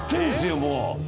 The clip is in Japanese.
もう。